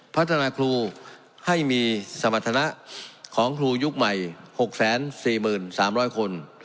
พัฒนาครูให้มีสมรรถนะของครูยุคใหม่๖๔๓๐๐คน